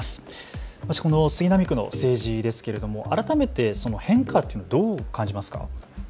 この杉並区の政治ですけれども改めてその変化というのはどう感じますか。